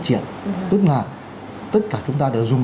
triển tức là tất cả chúng ta đều dùng